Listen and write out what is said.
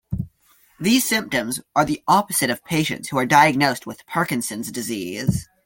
These symptoms are the opposite of patients who are diagnosed with Parkinson's disease.